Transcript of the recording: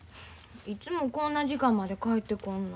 いつもこんな時間まで帰ってこんの？